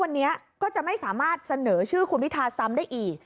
วันนี้ก็จะไม่สามารถเสนอชื่อคุณพิธาซ้ำได้อีก